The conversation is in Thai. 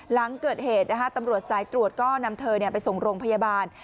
หลังเกิดเหตุตำรวจสายตรวจก็นำเธอไปส่งโรงพยาบาล